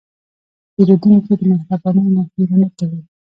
پیرودونکی د مهربانۍ نه هېره نه کوي.